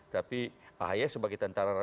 tapi ahaye sebagai tentara